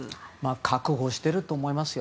覚悟してると思いますよ。